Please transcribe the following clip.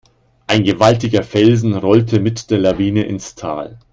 Ein gewaltiger Felsen rollte mit der Lawine ins Tal.